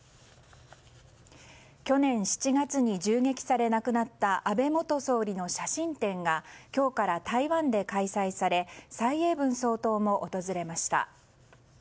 去年７月に銃撃され亡くなった安倍元総理の写真展が今日から台湾で開催され蔡英文総統も訪れました。